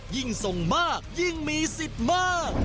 ยิ่งส่งมากยิ่งมีสิทธิ์มาก